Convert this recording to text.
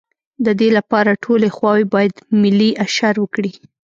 د دې لپاره ټولې خواوې باید ملي اشر وکړي.